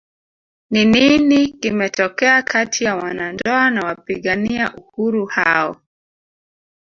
Ni nini kimetokea kati ya wanandoa na wapigania uhuru hao